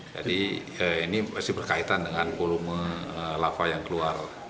jadi ini masih berkaitan dengan volume lava yang keluar